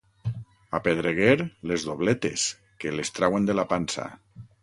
A Pedreguer, les dobletes, que les trauen de la pansa.